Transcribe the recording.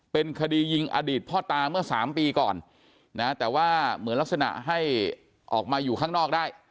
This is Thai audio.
เป็นคดียิงอดีตพ่อตาเมื่อ๓ปีก่อนนะแต่ว่าเหมือนลักษณะให้ออกมาอยู่ข้างนอกได้